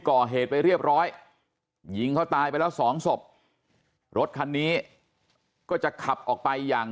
ก่อเหตุไปเรียบร้อยยิงเขาตายไปแล้วสองศพรถคันนี้ก็จะขับออกไปอย่าง